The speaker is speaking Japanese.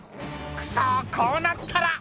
「クソこうなったら！」